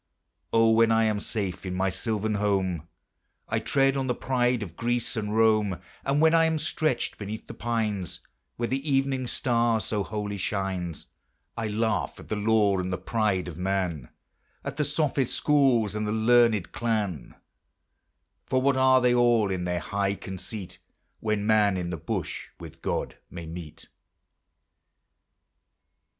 O, when I am safe in my sylvan home, I tread on the pride of Greece and Rome; And when I am stretched beneath the pines, Where the evening star so holy shines, I laugh at the lore and the pride of man, At the sophist schools, and the learned clan; For what are they all in their high conceit, When man in the bush with God may meet?